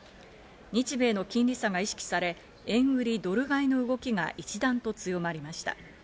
日米の金利差が意識され、円売りドル買いの動きが一段と強まりました。